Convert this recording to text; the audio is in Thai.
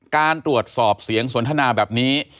การตรวจสอบเสียงสนทนาแบบนี้